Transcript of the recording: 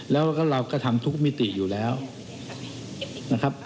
แล้วก็เราก็ทำทุกมิติอยู่แล้วนะครับ